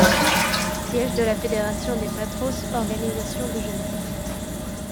Siège de la Fédération des Patros, organisation de jeunesse.